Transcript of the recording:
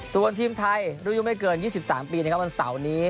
ส่วนทีมไทยรุ่นยุไม่เกิน๒๓ปีนะครับวันเสาร์นี้